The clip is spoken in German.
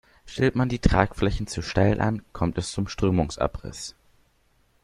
Stellt man die Tragflächen zu steil an, kommt es zum Strömungsabriss.